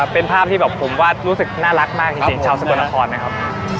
เป็นภาพที่รู้สึกน่ารักมากชาวสบนพรนะครับ